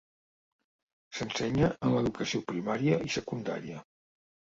S'ensenya en l'educació primària i secundària.